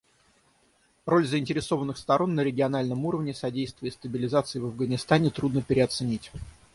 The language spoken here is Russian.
Роль заинтересованных сторон на региональном уровне в содействии стабилизации в Афганистане трудно переоценить.